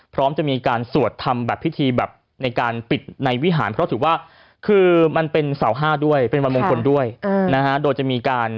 พร้อมจะมีการสวดทำแบบพิธีแบบในการปิดในวิหารเพราะถือว่าคือมันเป็นเสาห้าด้วยเป็นวันมงคลด้วยนะฮะโดยจะมีการ